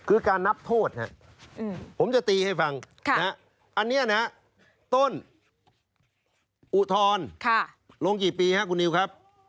คือการนับโทษผมจะตีให้ฟังอันนี้นะต้นอุทธรณ์ลงกี่ปีครับคุณนิวครับ